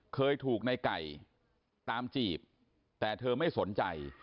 เคยถูกในไก่ตามจีบแต่เธอไม่สนใจ